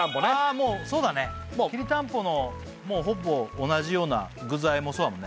もうそうだねきりたんぽのもうほぼ同じような具材もそうだもんね